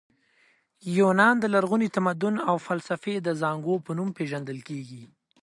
یونان د لرغوني تمدن او فلسفې د زانګو په نوم پېژندل کیږي.